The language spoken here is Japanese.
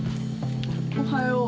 おはよう。